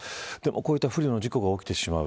こういった不慮の事故が起きてしまう。